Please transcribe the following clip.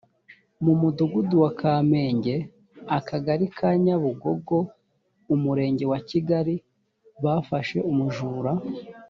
mu mudugudu wa kamenge akagari ka nyabugogo umurenge wa kigali bafashe umujura.